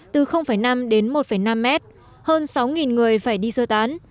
từ năm đến một năm mét hơn sáu người phải đi sơ tán